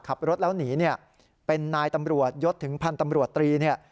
ขับรถแล้วหนีเป็นนายตำรวจยศถึงพันธุ์ตำรวจตรี